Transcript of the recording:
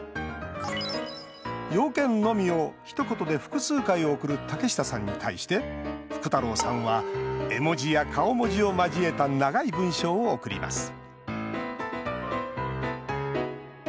用件のみを、ひと言で複数回送る竹下さんに対して福太郎さんは絵文字や顔文字を交えた長い文章を送ります